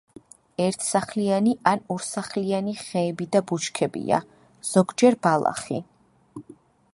ერთსახლიანი ან ორსახლიანი ხეები და ბუჩქებია, ზოგჯერ ბალახი.